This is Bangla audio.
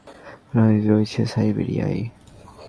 এই মানচিত্র অনুসারে, প্রথম ক্লু রয়েছে সাইবেরিয়ায়।